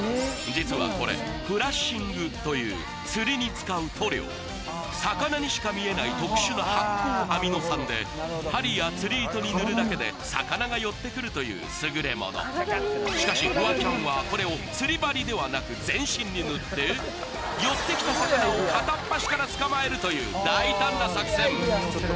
実はこれフラッシングという釣りに使う塗料魚にしか見えない特殊な発光アミノ酸で針や釣り糸に塗るだけで魚が寄ってくるという優れものしかしフワちゃんはこれを寄ってきた魚を片っ端から捕まえるという大胆な作戦！